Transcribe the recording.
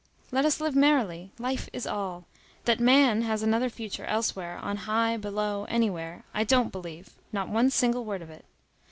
Let us live merrily. Life is all. That man has another future elsewhere, on high, below, anywhere, I don't believe; not one single word of it.